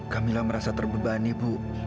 kak mila merasa terbebani bu